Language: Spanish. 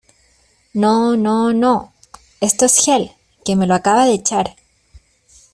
no, no , no... esto es gel , que me lo acaba de echar .